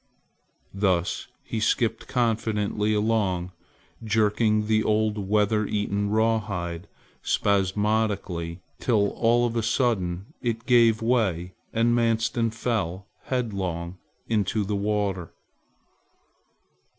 Thus he skipped confidently along jerking the old weather eaten rawhide spasmodically till all of a sudden it gave way and Manstin fell headlong into the water.